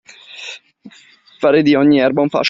Fare di ogni erba un fascio.